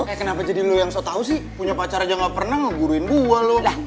eh kenapa jadi lo yang sok tau sih punya pacar aja gak pernah ngeguruin gue loh